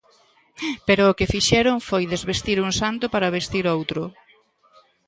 Pero o que fixeron foi desvestir un santo para vestir outro.